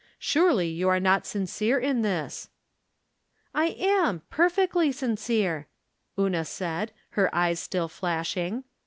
Surely you are not sincere in this !"" I am, perfectly sincere," Una said, her eyes still flashing.